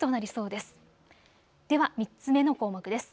では３つ目の項目です。